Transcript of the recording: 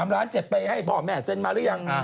๓ล้านเจ็ดไปให้พ่อแม่เซ็นมารึยัง